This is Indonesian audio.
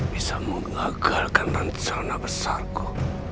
bisa mengagalkan rencana besarku